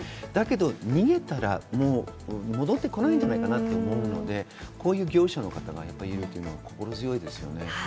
だけど逃げたら戻ってこないんじゃないかなと思うので、こういう業者の方がいるというのは心強いです。